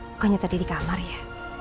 bukannya tadi di kamar ya